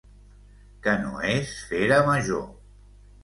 Que no es fera major.